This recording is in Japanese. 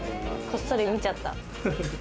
こっそり見ちゃった。